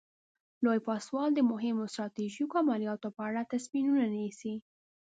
لوی پاسوال د مهمو ستراتیژیکو عملیاتو په اړه تصمیمونه نیسي.